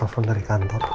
telfon dari kantor